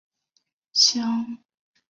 香溪县是越南河静省下辖的一县。